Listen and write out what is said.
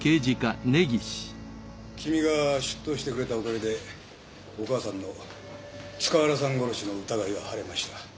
君が出頭してくれたおかげでお母さんの塚原さん殺しの疑いは晴れました。